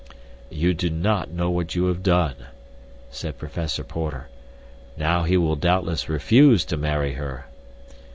"You do not know what you have done," said Professor Porter. "Now he will doubtless refuse to marry her."